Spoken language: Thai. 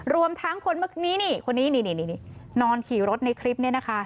รวมทั้งคนนี้นี่นอนขี่รถในคลิปนี้นะคะ